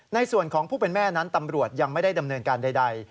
ในส่วนของผู้เป็นแม่นั้นตำรวจยังไม่ได้ดำเนินการใด